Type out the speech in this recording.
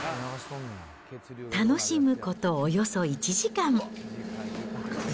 楽しむことおよそ１時間。